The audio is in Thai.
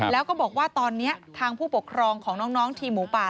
แล้วก็บอกว่าตอนนี้ทางผู้ปกครองของน้องทีมหมูป่า